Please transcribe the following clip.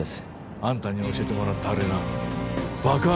あんたに教えてもらったあれなばか上げだ。